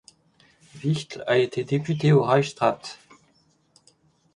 Wichtl a été député au Reichsrat.